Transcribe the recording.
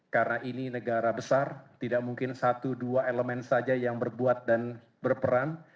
karena ini negara besar tidak mungkin satu dua elemen saja yang berbuat dan berperan